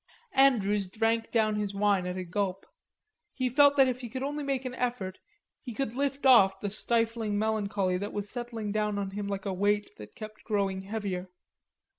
Andrews drank down his wine at a gulp. He felt that if he could only make an effort he could lift off the stifling melancholy that was settling down on him like a weight that kept growing heavier.